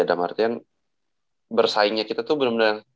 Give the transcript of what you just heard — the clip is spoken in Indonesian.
ada maksudnya bersaingnya kita tuh bener bener